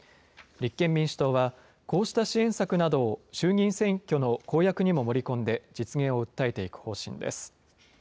立憲民主党は、こうした支援策などを衆議院選挙の公約にも盛り込んで、実現を訴えていく方針です。